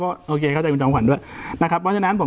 ก็โอเคเข้าใจคุณจอมขวัญด้วยนะครับเพราะฉะนั้นผม